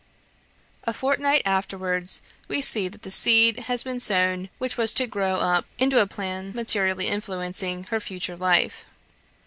A fortnight afterwards, we see that the seed has been sown which was to grow up into a plan materially influencing her future life.